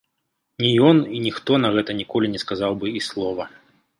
Ні ён і ніхто на гэта ніколі не сказаў бы і слова.